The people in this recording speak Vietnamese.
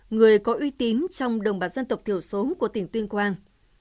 người có uy tín trong đồng bạc dân tộc thiểu số của tỉnh tuyên quang